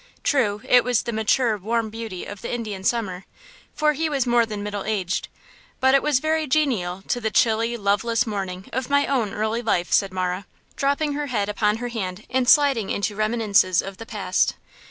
True, it was the mature, warm beauty of the Indian summer, for he was more than middle aged; but it was very genial to the chilly, loveless morning of my own early life," said Marah, dropping her head upon her hand and sliding into reminiscences of the past.